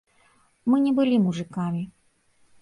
Мы не былі мужыкамі.